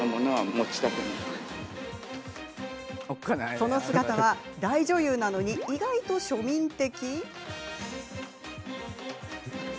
その姿は大女優なのに意外と庶民的！？